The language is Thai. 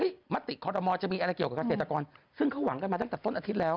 มติคอรมอลจะมีอะไรเกี่ยวกับเกษตรกรซึ่งเขาหวังกันมาตั้งแต่ต้นอาทิตย์แล้ว